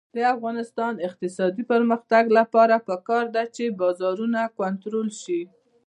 د افغانستان د اقتصادي پرمختګ لپاره پکار ده چې بازارونه کنټرول شي.